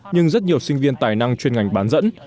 nhưng rất nhiều sinh viên tài năng chuyên ngành bán dẫn